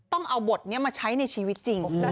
ต้องเอาบทนี้มาใช้ในชีวิตจริง